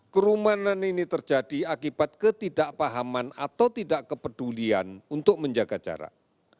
kerumanan ini terjadi akibat ketidakpahaman atau tidak kepedulian untuk menjaga jarak